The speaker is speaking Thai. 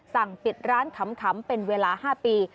สั่งปิดร้านขำเป็นเวลา๕ปี